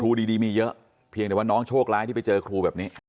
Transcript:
ครูดีมีเยอะเพียงแต่ว่าน้องโชคร้ายที่ไปเจอครูแบบนี้